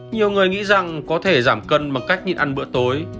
nhiều người nghĩ rằng có thể giảm cân bằng cách nhìn ăn bữa tối